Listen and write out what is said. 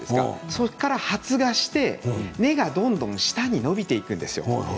そこから発芽して根がどんどん下に伸びていくんです。